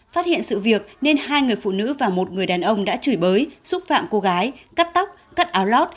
phát hiện sự việc nên hai người phụ nữ và một người đàn ông đã chửi bới xúc phạm cô gái cắt tóc cắt áo lót